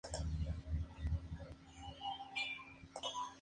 El vientre es crema amarillento.